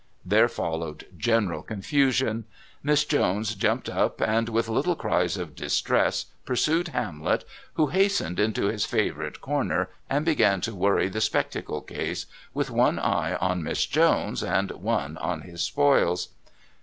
There followed general confusion. Miss Jones jumped up, and, with little cries of distress, pursued Hamlet, who hastened into his favourite corner and began to worry the spectacle case, with one eye on Miss Jones and one on his spoils.